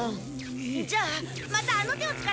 じゃあまたあの手を使って。